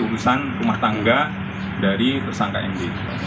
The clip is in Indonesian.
urusan rumah tangga dari tersangka md